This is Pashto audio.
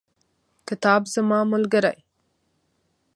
کتاب زما ملګری.